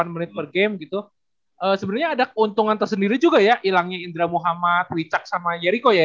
dua puluh delapan menit per game gitu sebenernya ada keuntungan tersendiri juga ya ilangnya indra muhammad wicak sama jericho ya